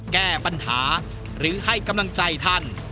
แก้ปัญหาหรือให้กำลังใจท่าน